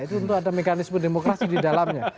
itu tentu ada mekanisme demokrasi di dalamnya